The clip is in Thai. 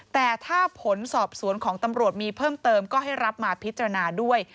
แต่ถ้าผลสอบสวนของตำรวจมีเพิ่มเติมก็ให้รับมาพิจารณาด้วย